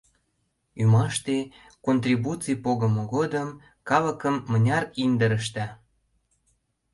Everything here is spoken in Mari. Ӱмаште, контрибуций погымо годым, калыкым мыняр индырышда!..